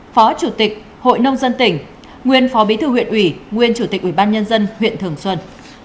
phó chủ tịch hội nông dân tỉnh nguyên phó bí thư huyện ủy nguyên chủ tịch ubnd huyện thường xuân